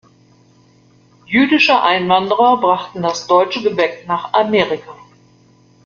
Jüdische Einwanderer brachten das deutsche Gebäck nach Amerika.